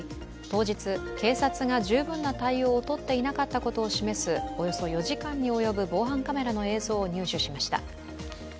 当日、警察が十分な対応をとっていなかったことを示すおよそ４時間に及ぶ防犯カメラの映像を入手しました。